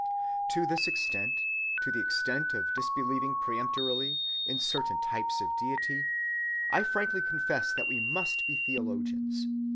To this extent, to the extent of disbelieving peremptorily in certain types of deity, I frankly confess that we must be theologians.